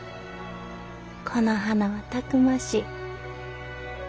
この花はたくましい。